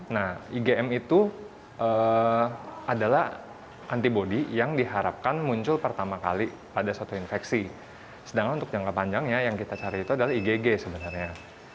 nah igm itu adalah antibody yang diharapkan muncul pertama kali pada suatu infeksi sedangkan untuk jangka panjangnya yang kita cari itu adalah igg sebenarnya